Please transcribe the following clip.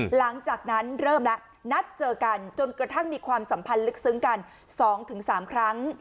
หลังจากนั้นเริ่มแล้วนัดเจอกันจนกระทั่งมีความสัมพันธ์ลึกซึ้งกัน๒๓ครั้ง